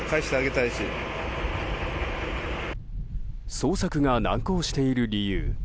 捜索が難航している理由。